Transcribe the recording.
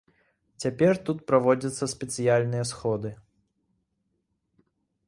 Цяпер тут праводзяцца спецыяльныя сходы.